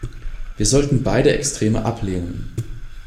Wir sollten beide Extreme ablehnen.